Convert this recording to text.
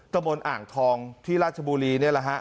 ตมอ่างทองที่ราชบุรี